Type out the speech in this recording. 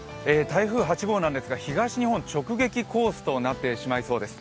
台風８号なんですが東日本直撃コースとなってしまいそうなんです。